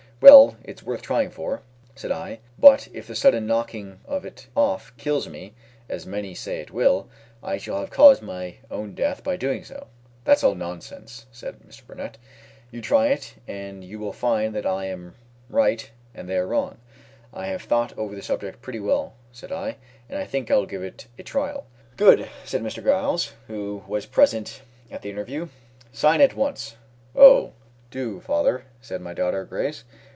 "Well, it's worth trying for," said I; "but if the sudden knocking of it off kills me, as many say it will, I shall have caused my own death by doing so." "That's all nonsense," said Mr. Burnett; "you try it, and you will find that I am right and they are wrong." "I have thought over the subject pretty well," said I, "and I think I will give it a trial." "Good!" said Mr. Giles, who was present at the interview; "sign at once." "Oh! Do, father," said my daughter Grace.